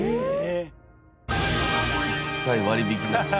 一切割り引きなし。